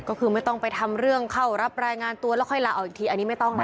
ก็คือไม่ต้องไปทำเรื่องเข้ารับรายงานตัวแล้วค่อยลาออกอีกทีอันนี้ไม่ต้องนะ